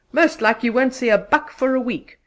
Most like you won't see a buck for a week!